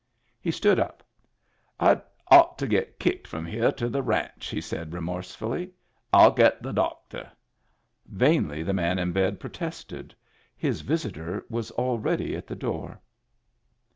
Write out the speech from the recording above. He stood up. " Fd ought to get kicked from here to the ranch," he said, remorsefully. " 111 get the doctor." Vainly the man in bed protested; his visitor was already at the door.